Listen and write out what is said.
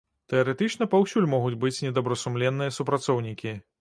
Тэарэтычна паўсюль могуць быць нядобрасумленныя супрацоўнікі.